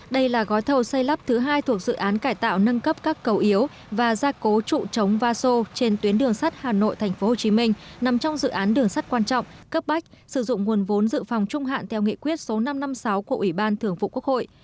đây là gói thầu xây lắp thứ hai thuộc dự án cải tạo nâng cấp các cầu yếu và gia cố trụ chống va sô trên tuyến đường sắt hà nội tp hcm nằm trong dự án đường sắt quan trọng cấp bách sử dụng nguồn vốn dự phòng trung hạn theo nghị quyết số năm trăm năm mươi sáu của ủy ban thường vụ quốc hội